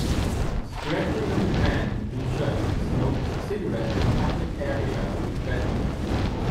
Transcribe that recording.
Scraggly looking man in blue shirt smoked cigarette in public area with benches.